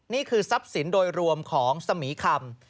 นี่คือทรัพย์สินโดยรวมของสมีคำ